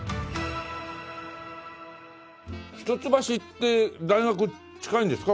一橋って大学近いんですか？